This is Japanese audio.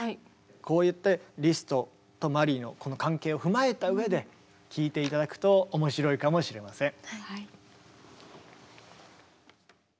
こうやってリストとマリーのこの関係を踏まえた上で聴いて頂くと面白いかもしれません。